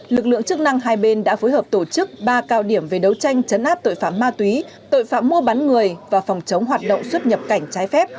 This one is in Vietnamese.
lực lượng chức năng hai bên đã phối hợp tổ chức ba cao điểm về đấu tranh chấn áp tội phạm ma túy tội phạm mua bán người và phòng chống hoạt động xuất nhập cảnh trái phép